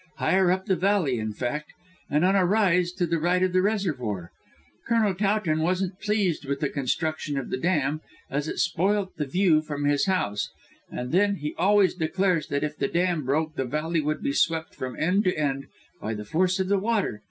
Higher up the valley, in fact, and on a rise to the right of the reservoir. Colonel Towton wasn't pleased with the construction of the dam, as it spoilt the view from his house, and then he always declares that if the dam broke the valley would be swept from end to end by the force of the water.